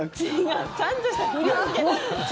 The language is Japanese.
ちゃんとした振り付け！